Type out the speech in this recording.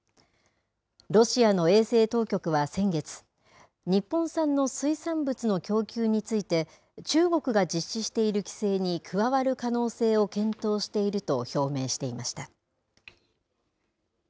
ロシアの衛生当局は先月、日本産の水産物の供給について、中国が実施している規制に加わる可能性を検討していると表明していました。